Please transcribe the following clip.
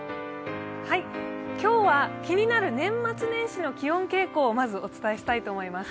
今日は気になる年末年始の気温傾向をまずお伝えします。